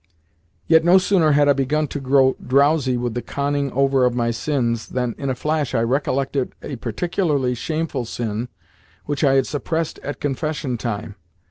Yet, no sooner had I begun to grow drowsy with the conning over of my sins than in a flash I recollected a particularly shameful sin which I had suppressed at confession time.